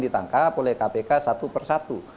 ditangkap oleh kpk satu persatu